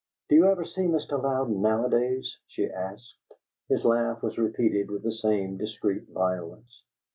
"Do you ever see Mr. Louden, nowadays?" she asked. His laugh was repeated with the same discreet violence.